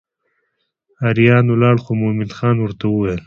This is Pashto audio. اریان ولاړ خو مومن خان ورته وویل.